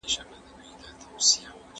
مګر ولي، پښتانه لوستونکي